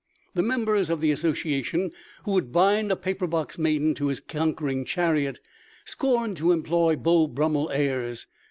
The member of the association who would bind a paper box maiden to his conquering chariot scorned to employ Beau Brummel airs.